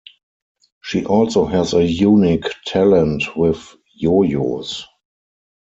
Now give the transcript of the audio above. She also has a unique talent with yo-yo's.